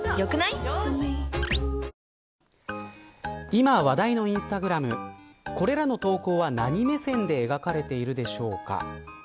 今話題のインスタグラムこれらの投稿は何目線で描かれているでしょうか。